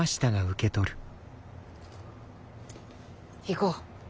行こう。